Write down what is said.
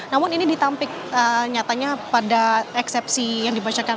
namun ini ditampik nyatanya pada eksepsi yang dibacakan